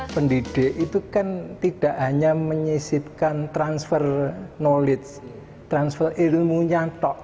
pendidik itu kan tidak hanya menyisitkan transfer knowledge transfer ilmunya tok